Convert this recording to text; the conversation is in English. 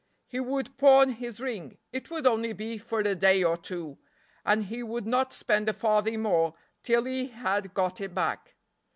He would pawn his ring, it would only be for a day or two, and he would not spend a farthing more till he had got it back.